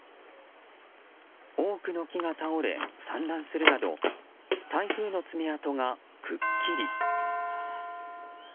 多くの木が倒れ、散乱するなど台風の爪痕がくっきり。